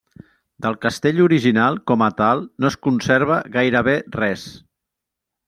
Del castell original com a tal, no es conserva gairebé res.